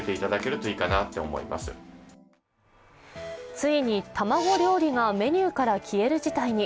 ついに卵料理からメニューから消える事態に。